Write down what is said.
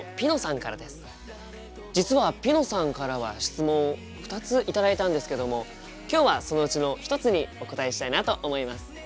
実はぴのさんからは質問を２つ頂いたんですけども今日はそのうちの一つにお答えしたいなと思います。